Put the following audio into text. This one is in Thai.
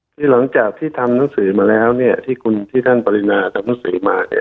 คือหลังจากที่ทำหนังสือมาแล้วเนี่ยที่คุณที่ท่านปรินาทำหนังสือมาเนี่ย